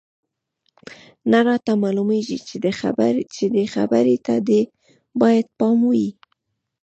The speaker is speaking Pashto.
نه راته معلومېږي، دې خبرې ته دې باید پام وي.